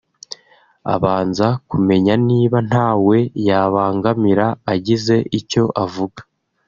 abanza kumenya niba ntawe yabangamira agize icyo avuga